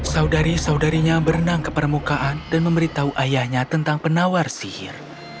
saudari saudarinya berenang ke permukaan dan memberitahu ayahnya tentang penawar sihir